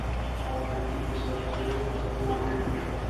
په اتلانتیک کې سوداګریز فرصتونه رامنځته شول